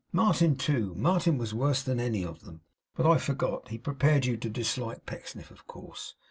Martin too: Martin was worse than any of 'em. But I forgot. He prepared you to dislike Pecksniff, of course.